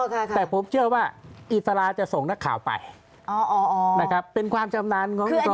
แต่ผมเชื่อว่าอิสระจะส่งนักข่าวไปเป็นความจำนานของอิสระอยู่แล้ว